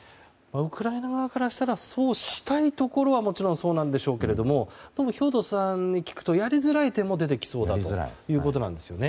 ウクライナ側からしたらそうしたいところはそうでしょうがでも、兵頭さんに聞くとやりづらい点も出てくるということなんですね。